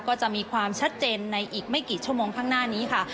ก็จะมีความชัดเจนในอีกไม่กี่ชั่วโมงข้างหน้านี้ค่ะ